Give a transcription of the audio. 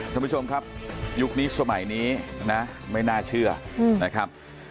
ท่านผู้ชมครับยุคนี้สมัยนี้นะไม่น่าเชื่อนะครับ